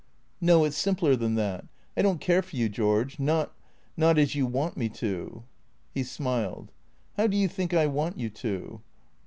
" No. It 's simpler than that. I don't care for you, George, not — not as you want me to." He smiled. " How do you think I want you to